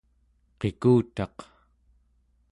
qikutaq